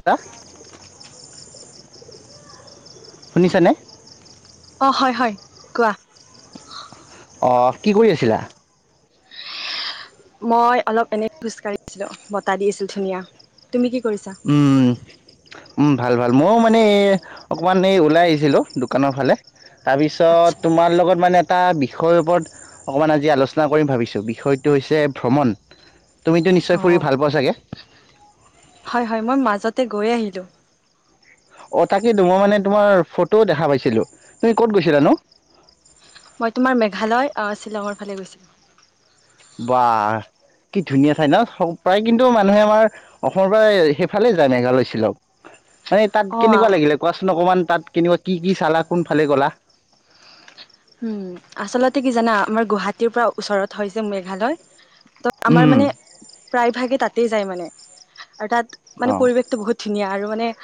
এটা শুনিছা নে? অ, হয়-হয় কোৱা? অ, কি কই আছিলা? মই অলপ এনে খোজকাঢ়ি আছিলো বতাহ দি আছিল ধুনীয়া তুমি কি কৰিছা উম-উম ভাল ভাল ময়ো মানে অকণমান এই ওলাই আহিছিলোঁ দোকানৰ ফালে। তাৰপিছত আচ্ছা তোমাৰ লগত মানে এটা বিষয়ৰ ওপৰত অকণমান আজি আলোচনা কৰিম ভাবিছোঁ বিষয়টো হৈছে ভ্ৰমণ। তুমিতো নিশ্চয় অ ফুৰি ভাল পোৱা চাগে? তাতে গৈ আহিলোঁ। অঁ তাকেইতো মই মানে তোমাৰ ফটোও দেখা পাইছিলোঁ তুমি ক'ত গৈছিলানো? মই তোমাৰ মেঘালয় আহ শ্বিলঙৰ ফালে গৈছিলো। বা কি ধুনীয়া ঠাই ন প্ৰায় কিন্তু মানুহে আমাৰ অসমৰ পৰা সেইফালে যায় মেঘালয়, শ্বিলং। মানে তাত অ কেনেকুৱা লাগিলে কোৱাচোন অকমান- তাত কেনিবা কি কি চালা কোনফালে গ'লা- উম আচলতে কি জানা আমাৰ গুৱাহাটীৰ পৰা ওচৰত হৈছে মেঘালয়- ত আমাৰ উম মানে প্ৰায় ভাগে তাত- তেই যাই মানে- আৰু তাত মানে অ পৰিৱেশটো বহুত ধুনীয়া আৰু মানে-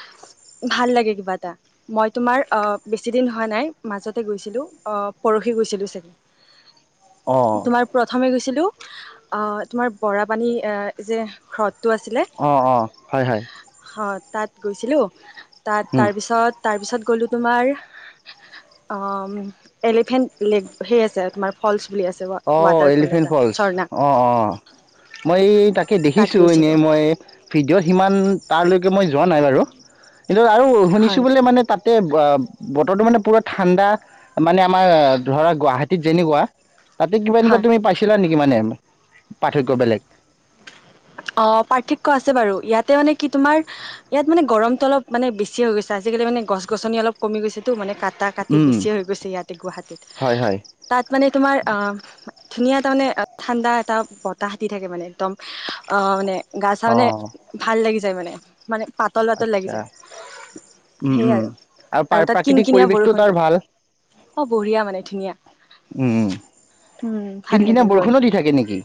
ভাল লাগে কিবা এটা মই তোমাৰ অ বেছি দিন হোৱা নাই মাজতে গৈছিলো। অ পৰহি গৈছিলো চাগে। অ', তোমাৰ প্ৰথমে গৈছে- তোমাৰ বৰা পানী যে ৰদ- অঁ অঁ হয় হয়। হয় তাত গৈছিলো। তাত তাৰ পিছত, তাৰপিছত গ'লো তোমাৰ, অ এলিফেন্ত্ লেগ সে আছে, তোমাৰ ফল্‌চ অ এলিফেণ্ট ফল্‌চ, অ অ মই তাকে তাত দেখিছো, এনেই গৈছিলোঁ মই ভিডিঅ' সিমান তালৈ মই যোৱা নাই বাৰু৷ এইটো আৰু শুনিছো হয় বোলে মানে তাতে, ৱা বতৰটো মানে পুৰা ঠাণ্ডা, মানে আমাৰ ধৰা গুৱাহাটীত যেনেকুৱা, তাতে কিবা এনেকুৱা হয় তুমি পাইছিলা নি? কিমানেম অ পাৰ্থক্য আছে বাৰু ইয়াত৷ তাতে মানে কি তোমাৰ, ইয়াত মানে গৰমটো অলপ মানে বেছি হৈ গৈছে৷ আজিকালি গছ-গছনি অলপ কমি গৈছেতো, মানে কাট কাটা-কাটি উম, বেছি হৈ গৈছে ইয়াতে গুৱাহাটীত৷ হয়, হয়, তাত মানে, তোমাৰ অ ধুনীয়া তাৰমানে ঠাণ্ডা৷ এটা বতাহ দি থাকে মানে একদম অ মানে৷ গা-চা মানে অ', ভাল লাগি যায় মানে, মানে পাতল পাতল লাগি আচ্ছা যায়৷ উম, সেই উম, আৰু, আৰু তাত প্ৰাকৃতিক কিন-কিনিয়া পৰিৱেশটো তাৰ বৰষুণটো৷ ভাল অ বঢ়িয়া মানে ধুনীয়া, উম, উম ভাল কিনকিনীয়া লাগিল গৈ৷ বৰষুণো দি থাকে নেকি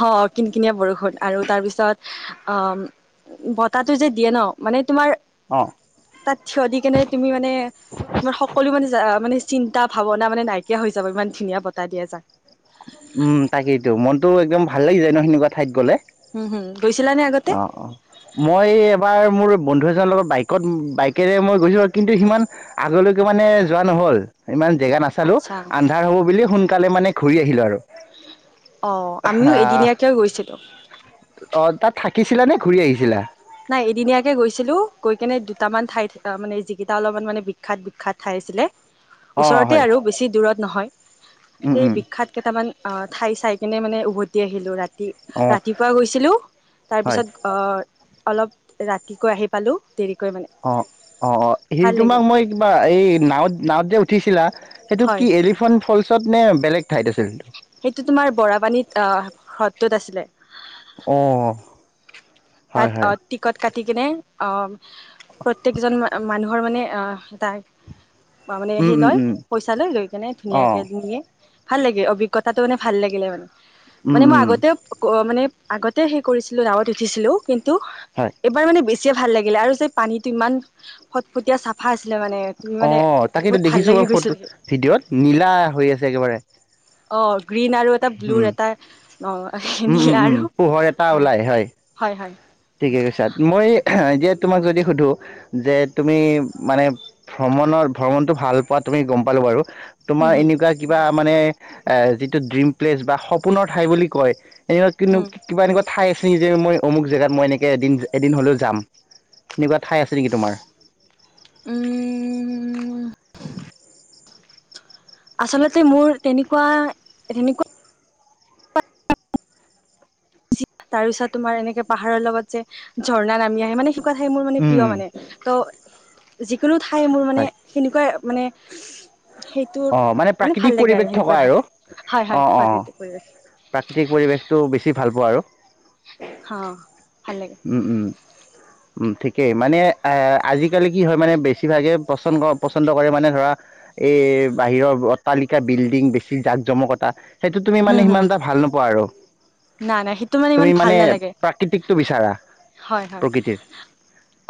হ কিন-কিনিয়া বৰষুণ আৰু- তাৰপিছত অ বতাহটো যে দিয়ে ন মানে- তোমাৰ অ', তাত থিয় দি কেনে তুমি মানে, তোমাৰ সকলো মানে যা মানে- চিন্তা-ভাৱনা মানে নাইকিয়া হৈ যাব ইমান ধুনীয়া বতাহ দিয়ে জাক৷ উম তাকেইতো মনতো একদম ভাল লাগি যায় ন সেনেকুৱা ঠাইত গ'লে! উম হম গৈছিলানে আগতে অ অ মই এবাৰ মোৰ- বন্ধু এজনৰ লগত বাইকত বাইকেৰে মই গৈছোঁ আৰু কিন্তু সিমান আগলৈকে মানে যোৱা নহ'ল৷ ইমান জেগা নাচালো, আচ্ছা আন্ধাৰ হ'ব বুলি সোন কালে মানে ঘুৰি আহিলো আৰু৷ অহ আমিও আহ এদিনীয়াকে গৈছিলো৷ অ তাত থাকিছিলা নে ঘুৰি আহিছিলা? নাই এদিনীয়াকে গৈছিলো, গৈ কেনে দুটামান ঠাই থ মানে যিকেইটা অলপমান মানে বিখ্যাত বিখ্যাত ঠাই আছিলে অ ওচৰতে হয় আৰু বেছি দূৰত নহয়৷ উম সেই উম বিখ্যাত কেইটামান আ ঠাই চাই কেনে মানে উভতি আহিলো ৰাতি৷ অ ৰাতি ৰাতিপুৱা গৈছিলো, হয় তাৰপিছত অহ অলপ ৰাতিকৈ আহি পালো। দেৰি অ অ অ হেৰি তোমাক মই কিবা এই নাৱত নাৱত যে উ উঠিছিলা সেইটো হয় কি এলিফণ্ট ফল পিছত নে বেলেগ ঠাইত আছিল সেইটো তোমাৰ বৰা পানীত অ সত ত'ত আছিলে অ হয় তাত অ হয় টিকট কাটি কেনে অ প্ৰত্যেকজন মানুহ ঘৰ মানে তাই বা মানে উম সেই উম লয় উম পইচা লৈ লৈ কেনে অ ধুনীয়াকে নিয়ে। ভাল লাগে অভিজ্ঞতাটো মানে ভাল লাগিলে। উম মানে মই উম আগতে অ মানে আগতে সেই কৰিছিলোঁ নাৱত উঠিছিলোঁ। কিন্তু এবাৰ মানে বেছি কি যে ভাল লাগিলে আৰু যে পানীটো ইমান ফটফটীয়া চাফা আছিল অ' তাকেটো দেখিছোঁ মই ফটো গৈছিল ভিডিঅ'ত নীলা হৈ আছে একেবাৰে। অ' গ্ৰীণ আৰু এটা ব্লুৰ এটা অ' নীলা উম-উম আৰু পোহৰ এটা ওলাই হয়। ঠিকে কৈছা। মই এতিয়া তোমাক যদি সুধো যে তুমি মানে ভ্ৰমণত ভ্ৰমণটো ভাল পোৱা তুমি গম পালোঁ বাৰু তোমাৰ উম উম এনেকুৱা কিবা মানে যিটো ড্ৰিম প্লেছ বা সপোনৰ ঠাই বুলি কয় এই আইচ কিনো উম কিবা এনেকুৱা ঠাই আছিনি যে মই অমুক যা জেগাত মই এনেকে এদিন এদিন হ'লেও যাম। এনেকুৱা ঠাই আছে নেকি তোমাৰ? উম [inaudible] আচলতে মোৰ তেনেকুৱা, তেনেকুৱা তাৰ পিছত তোমাৰ এনেকে পাহাৰৰ লগত যে ঝৰ্ণা নামি আহে, মানে সে সেইবোৰ মানে উম প্ৰিয় মানে, ত' কোনো ঠাই মোৰ মানে হয় সেনেকুৱাই আ মানে সেইটোত অ' মানে ভাল প্ৰাকৃতিক লাগে পৰিৱেশ থকা সেনেকুৱা ঠাই আৰু, হয় হয় অ' অ' প্ৰাকৃতিক পৰিৱেশ অ', প্ৰাকৃতিক পৰিৱেশটো বেছি ভাল পোৱা আৰু হা, ভাল লাগে। উম, উম। উম ঠিকেই, মানে আজিকালি কি হয় মানে বেছিভাগে পচন্দ পচন্দ কৰে মানে ধৰা এই বাহিৰৰ ব অট্টালিকা, বিল্ডিং বেছি জাক-জমকতা সেইটো তুমি মানে হম হম সিমান এটা ভাল নোপোৱা আৰু নাই নাই, সেইটো মানে তুমি ইমান ভাল নালাগে। প্ৰাকৃতিকটো বিচাৰা হয় হয়। প্ৰকৃতিৰ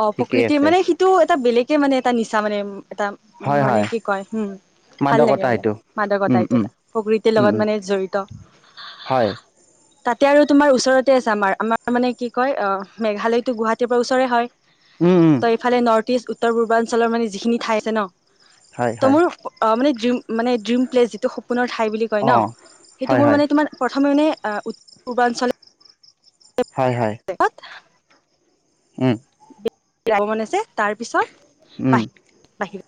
অ' ঠিকেই প্ৰকৃতিৰ আছে মানে সিটো এটা বেলেগে মানে এটা নিচা মানে উম এটা উম হয়, মানে হয় কি কয়, হম ভাল লাগে মাদকতা মানে এইটো। মাদকতা উম, এইটো উম, এটা। প্ৰকৃতিৰ উম, লগত উম, মানে জড়িত হয় তাতে আৰু তোমাৰ ওচৰতে আছে আমাৰ আমাৰ তাৰ মানে কি কয় অ' মেঘালয়তো গুৱাহাটীৰ পৰা ওচৰে হয়। উম, উম, ত‌' এইফালে নৰ্থইষ্ট উ উত্তৰ-পূৰ্বাঞ্চলৰ মানে যিখিনি ঠাই আছে ন' হয়, ত' হয় মোৰ অ' মানে ড্ৰিম মানে ড্ৰীম প্লেছ যিটো সপ পোনৰ ঠাই বুলি কয় ন', অ'। সেইটো হয়, মোৰ হয়, মানে তোমাৰ প্ৰথমে মানে অ' উত্তৰ-পূৰ্বাঞ্চলে হয়, হয়, [unintelligible] ক'ত উম। [unintelligible] আছে তাৰ পিছত হম। বাহিৰ বাহিৰত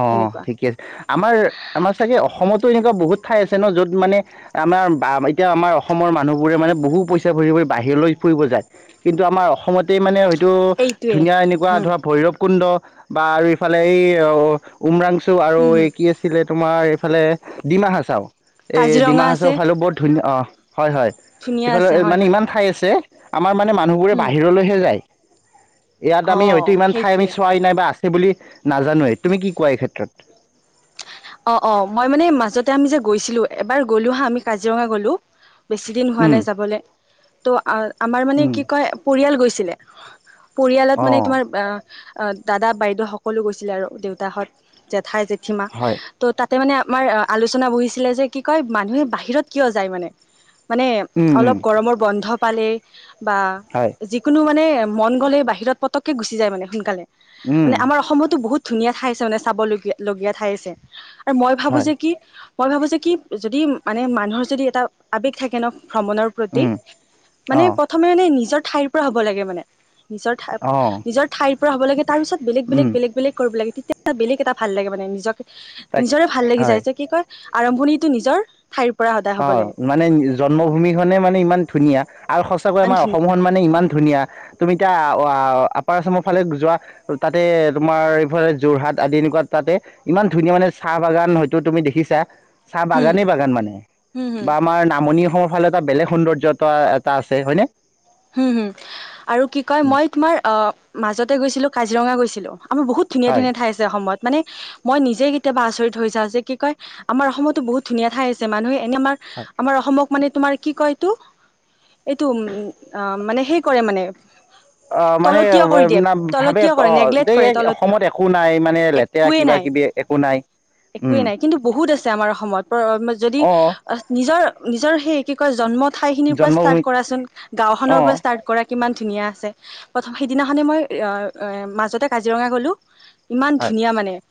অ' সেনেকুৱা ঠিকে আছে। আমাৰ আমাৰ চাগে অসমত তো এনেকুৱা বহুত ঠাই আছে ন' য'ত মানে আমাৰ বা ৰাজ্য আমাৰ অসমৰ মানুহবোৰে মানে বহু পইচা ভৰি ভৰি বাহিৰলৈ ফুৰিব যায়। কিন্তু আমাৰ অসমতেই মানে ত' এইটোৱে ধুনীয়া এনেকুৱা হম ধৰা ভৈৰৱ কুণ্ড বাৰু ইফালে এই অ' উমৰাং চু আৰু হম এই হম কি আছিলে! তোমাৰ এইফালে ডিমা হাচাও এই ডিমা কাজিৰঙা আছে হাচাওৰ ফালোও বৰ ধুনীয়া অ' হয় হয় ধুনীয়া এইফালে আছে হয় মানে হয় ইমান ঠাই আছে আমাৰ মানে মানুহবোৰে হম বাহিৰলৈহে যায়। ইয়াত অ আমি হয়তো ইমান ঠাই আমি সেইটোৱে চোৱাই নাই বা সেই বুলি নাজানোৱেই। তুমি কি কোৱা এই ক্ষেত্ৰত? অ' অ' মই মানে মাজতে আমি যে গৈছিলো এবাৰ গলো হা আমি কাজিৰঙা গলো বেছি দিন হোৱা উম, নাই যাবলৈ তো আ আমাৰ মানে উম, কি কয় পৰিয়াল গৈছিলে। পৰিয়ালত মানে অ', তোমাৰ অ' অ দাদা বাইদেউ সকলো গৈছিলে আৰু দেউতাহত জেঠাই জেঠি মা হয়, ত' তাতে মানে আমাৰ আলোচনা বহিছিলে যে কি কয় মানুহে বাহিৰত কিয় যায় মানে? মানে উম, উম, অলপ গৰমৰ বন্ধ পালে বা হয়, যিকোনো মানে মন গ'লে বাহিৰত পতকে গুচি য মানে সোনকালে উম, মানে আমাৰ অসমতো বহুত ধুনীয়া ঠাইছে মানে চাবলগীয়া লগগীয়া ঠাই আছে। যে আৰু মই ভাবো হয়, যে কি! মই ভাবোঁ যে কি যদি মানে মানুহৰ যদি এটা আৱেগ থাকে ন ভ্ৰমণৰ প্ৰতি উম, মানে অ', প্ৰথমে মানে নিজৰ ঠাইৰ পৰা হ'ব লাগে মানে। নিজৰ ঠা ঠাই অ', নিজৰ ঠাইৰ পৰা হ'ব লাগে তাৰ পিছত বেলেগ বেলেগ উম, বেলেগ বেলেগ কৰিব লাগে তেতিয়া টা বেলেগ এটা ভাল লাগে মানে নিজকে তাক নিজৰে ভাল লাগি যায় হয়, যে কি কয় আৰম্ভণিটো নিজৰ ঠাইৰ পৰা সদায় হ'ব অ', লাগে মানে জন্মভূমিখনে মানে ইমান ধুনীয়া। আৰু সঁচাকৈ ইমান আমাৰ ধুনীয়া অসমখন মানে ইমান ধুনীয়া, তুমি এতিয়া আপাৰ আচামৰ ফালে যোৱা, তাতে তোমাৰ এইফালে যোৰহাট আদি এনেকুৱা তাতে ইমান ধুনীয়া মানে চাহ বাগান হয়তো তুমি দেখিছা। চাহ হুম বাগানেই বাগান মানে। হুম হুম বা আমাৰ নামনি নামনি অসমৰ ফালে এটা বেলেগ সৌন্দৰ্য্যতা এটা আছে হয়নে? হম হুম, আৰু কি কয় মই তোমাৰ আ মাজতে গৈছিলো কাজিৰঙা গৈছিলোঁ। আমাৰ বহুত ধুনীয়া হয়, ধুনীয়াঠাই আছে অসমত। মানে, মই নিজে কেতিয়াবা আচৰিত হৈ যাওঁ যে কি কয় আমাৰ অসমতো বহুত ধুনীয়া ঠাই আছে, মানুহে এনে আমাৰ, হয়। আমাৰ অসমক মানে তোমাৰ কি কয় এইটো, এইটো, উম আ মানে সেই কৰে মানে। অ মানে তলতীয়া কৰি দিয়ে, না ভাবে তলতীয়া কৰে অ নেগলেক্ট যে কৰে, এই তলতীয়া অসমত একো নাই মানে লেতেৰা একোৱে কিবা নাই কিবি একো নাই একোৱে উম নাই, কিন্তু বহুত আছে আমাৰ অসমত যদি অ নিজৰ নিজৰ সেই কি কয় জন্মত ঠাই খিনিৰ পৰা ষ্টাৰ্ট জন্মভূমিত কৰাচোন। গাঁওখনৰ অ পৰা ষ্টাৰ্ট কৰা। কিমান ধুনীয়া আছে। প্ৰথম সিদিনাখনে মই এ [unintelligible] মাজতে কাজিৰঙা গ'লো। ইমান হয় ধুনীয়া মানে। অ',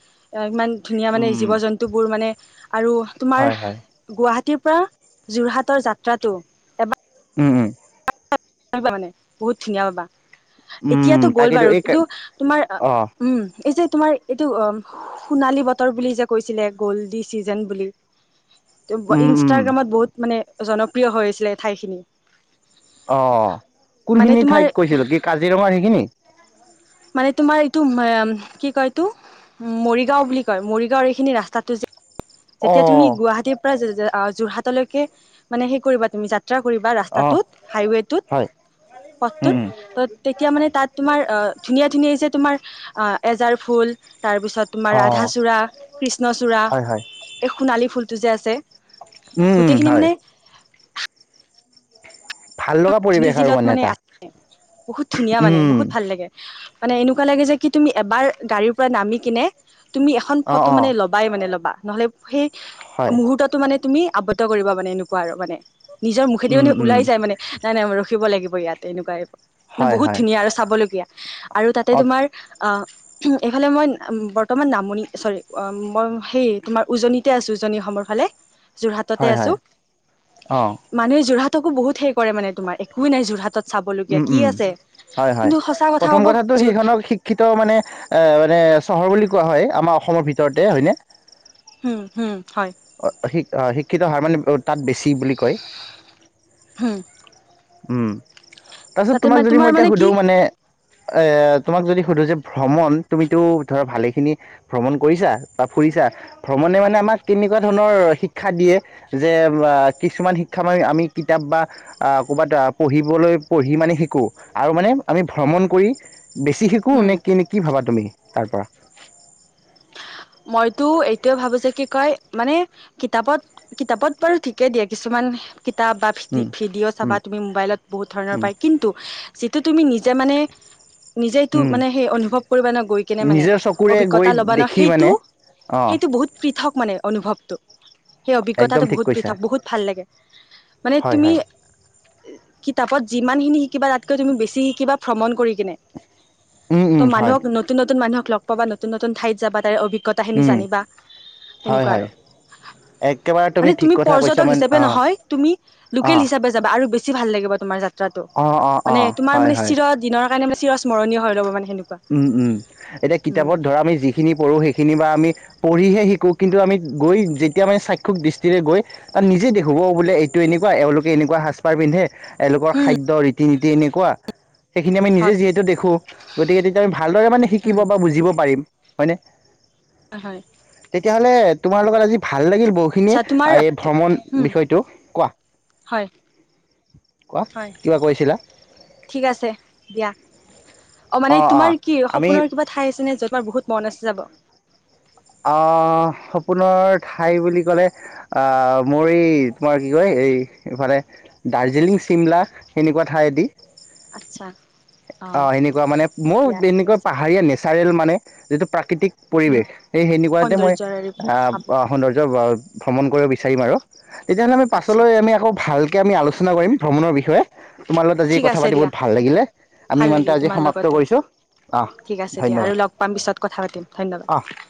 ইমান ধুনীয়া মানে, উম জীৱ-জন্তুবোৰ মানে আৰু তোমাৰ হয় হয় গুৱাহা টীৰ পৰা যোৰহাটৰ যাত্ৰাটো এবাৰ উম, উম। [unintelligible] মানে, বহুত ধুনীয়া পাবা। উম এতিয়াতো গ'ল তাকেতো বাৰু এই কিন্তু তোমাৰ অ [unintelligible] উম, এই যে তোমাৰ এইটো অ', সোণালী বতৰ বুলি যে কৈছিলে, গল্ডি চিজন বুলি। [unintelligible] উম উম ইনষ্টাগ্ৰামত বহুত মানে জনপ্ৰিয় হৈছিলে ঠাইখিনি। অ', মানে কোনখিনি তোমাৰ ঠাইক কৈছিলে, কি কাজিৰঙাৰ সেইখিনি? মানে তোমাৰ [unintelligible] এইটো কি কয়, এইটো মৰিগাঁও বুলি কয়। মৰিগাঁওৰ এইখিনি ৰাস্তাটো যে অ যেতিয়া তুমি গুৱাহাটীৰ পৰা আহ! যোৰহাটলৈকে মানে সেই কৰিবা তুমি যা ত্ৰা কৰিবা অ ৰাস্তাটোত, হয় হাইৱেটোত, উম উম পথটোত তেতিয়া মানে তাত তোমাৰ [unintelligible] ধুনীয়া-ধুনীয়া যে তোমাৰ এজাৰ ফুল তাৰপিছত তোমাৰ অ ৰাধাচূড়া, কৃষ্ণচূড়া এই সোণালী ফুলটো যে আছে উম-উম, গোটেইখিনি হয়। মানে ভাল লগা [inaudible] পৰিৱেশ আৰু চিজিলত মানে এটা আছে বহুত ধুনীয়া মানে উম বহুত ভাল লাগে। মানে এনেকুৱা লাগে যে কি তুমি এবাৰ গাড়ীৰ পৰা নামি কিনে তুমি এখন অ ফটো অ মানে ল'বাই মানে ল'বা। নহ'লে সেই হয় মুহূৰ্তটো মানে তুমি আবদ্ধ কৰিব মানে এনেকুৱা আৰু মানে নিজৰ মুখেদি উম মানে উম ওলাই যায় মানে ম নাই ৰখিব লাগিব ইয়াত এনেকুৱাই নে হয় বহুত হয় ধুনীয়া আৰু চাবলগীয়া। আৰু তাতে অ তোমাৰ এইফালে মই বৰ্তমান নামনি চৰি মই সেই তোমাৰ উজনিতে আছো উজনি অসমৰ ফালে। যোৰহাটতে হয় আছো। হয় অ মানে যোৰহাট তাকো বহুত হে পৰে মানে তোমাৰ একোৱেই নাই যোৰহাটত। চাবলগীয়া উম, কি উম, আছে হয় হয়, কিন্তু সঁচা কথা প্ৰথম ক'ব কথাটো সেইখনক শিক্ষিত মানে এ মানে চহৰ বুলি ক কোৱা হয় আমাৰ অসমৰ ভিতৰতে হয়নে। হম হম। হয় অ', সিক অ', শিক্ষিত হাৰ মানে বহুত তাত বেছি বুলি কয়। হম উম। তাৰপিছত তাতে তোমাক মানে যদি মই তোমাৰ এতিয়া কি সুধোঁ মানে এ তোমাক যদি সুধো যে ভ্ৰমণ তুমিতো ধৰা ভালেখিনি ভ্ৰমণ কৰিছা বা ফুৰিছা। ভ্ৰমণে মানে আমাক তেনেকুৱা ধৰণৰ শিক্ষা দিয়ে যে কিছুমান শিক্ষা আমি কিতাপ বা ক'ৰবাত পঢ়িবলৈ পঢ়ি মানে শিকোঁ আৰু মানে আমি ভ্ৰমণ কৰি বেছি শিকোঁ হম নে কি নে কি ভাবা তুমি? তাৰ পৰা। মইতো এইটোৱে ভাবো যে কি কয় মানে কিতাপত কিতাপত বাৰু ঠিকে দিয়ে কিছুমান কিতাপ বা ভিদি উম, ভিডিঅ' চাবা উম, তুমি মোবাইলত বহুত ধৰণৰ উম, পায় কিন্তু যিটো তুমি নিজে মানে নিজেইটো উম, মানে সেই অনুভৱ কৰিবা ন গৈ কিনে মানে, নিজৰ চকুৰে গৈ অভিজ্ঞতা লবা ন দেখি সেই মানে টো, অ', সেইটো বহুত পৃথক মানে। অনুভৱটো। সেই একদম অভিজ্ঞতাটো ঠিক বহুত কৈছা। পথক, বহুত ভাল লাগে। মানে হয়, তুমি হয়। [unintelligible] কিতাপত যিমানখিনি শিকিবা তাতকৈ তুমি বেছি শিকিবা ভ্ৰমণ কৰি কিনে। উম, ত' উম, হয়, মানুহক নতুন-নতুন মানুহক লগ পাবা নতুন-নতুন ঠাইত যাবা এ অভি অভিজ্ঞতা উম, জানিবা হয়, সেনেকুৱা হয়, আৰু একেবাৰে মানে ঠিক তুমি কথা কৈছা পৰ্যটক মানে হিচাপে অ', নহয় তুমি লোকেল অ', হিচাপে যাবা আৰু বেছ ছি ভাল লাগিব তোমাৰ যাত ত্ৰাটো অ', অ', মানে অ', তোমাৰ হয়, মানে হয়, চিৰ দিনৰ কাৰণে মানে চিৰস্মৰীয় হৈ ৰ'ব মানে। সেনেকুৱা উম-উম এতিয়া উম কিতাপত ধৰা আমি যিখিনি পঢ়ো সেই সেয়খিনি বা আমি পঢ়িহে শিকোঁ কিন্তু আমি গৈ যেতিয়া মানে চাক্ষুক দৃষ্টিৰে গৈ তাত নিজে দেখোঁ ঔ বোলে এইটো এনেকুৱা এওঁলোকে এনেকুৱা সাজপাৰ পিন্ধে এইলোকৰ হুম খাদ্য ৰি ৰীতি-নীতি এনেকুৱা সেইখিনি আমি নিজে হয় যিহেতু দেখো গতিকে তেতিয়া আমি ভালদৰে মানে হুম শিকিব বা বুজিব পাৰিম। হয়নে? হয় তেতিয়াহ'লে তোমাৰ লগত আজি ভা ভাল লাগিল বহুখিনিয়ে আচ্ছা তোমাৰ এই ভ্ৰমণ হুম বিষয়টো কোৱা হয় কোৱা হয় কিবা কৈছিলা ঠিক আছে দিয়া অ মানে অঁ অঁ তোমাৰ কি আমি সপোনৰ কিবা ঠাই আছে নে য'ত তোমাৰ বহুত মন আছে যাব অ সপোনৰ ঠাই বুলি ক'লে মোৰ এই তোমাৰ কি কয় এই এইফালে দাৰ্জিলিং চিমলা সেনেকুৱা ঠাই আদি আচ্ছা অ সেনেকুৱা মানে মোৰ দিয়া ঠিক তেনেকুৱা আছে পাহাৰীয়া নেচাৰেল মানে যিটো প্ৰাকৃতিক উম পৰিৱেশ সেই সেনে কোৱাতে মই সৌন্দৰ্যৰে আ সৌন্দৰ্য্য ভ্ৰমণ কৰিব বিচাৰিম আৰু তেতিয়াহ'লে আমি আচ্ছা পাছলৈ আমি আকৌ ভাল কে আমি আলোচনা কৰিম ভ্ৰমণৰ বিষয়ে তোমাৰ লগত আজি ঠিক কথা আছে পাতি দিয়া বহুত ভাল লাগিলে আমি ভাল ইমানতে লাগিল আজি তোমাৰ সমাপ্ত লগতো। কৰিছোঁ অহ ঠিক আছে দিয়া ধন্যবাদ আৰু লগ পাম পিছত কথা পাতিম, অহ ধন্যবাদ।